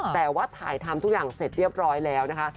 แต่ว่าถ่ายทำทุกอย่างเสร็จเรียบร้อยแล้วนะคะ